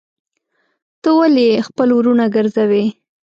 ته ولي خپل وروڼه ګرځوې.